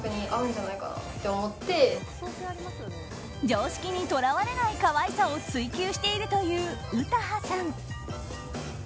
常識にとらわれない可愛さを追求しているという詩羽さん。